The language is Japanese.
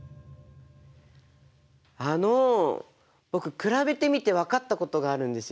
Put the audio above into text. あの僕比べてみて分かったことがあるんですよ。